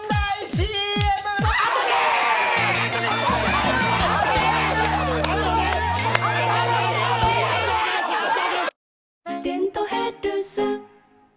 ＣＭのあとです！